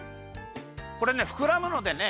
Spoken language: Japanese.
これねふくらむのでね